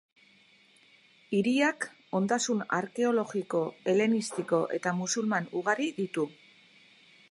Hiriak ondasun arkeologiko helenistiko eta musulman ugari ditu.